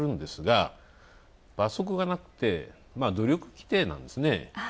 罰則がなくて、努力規定なんですよね。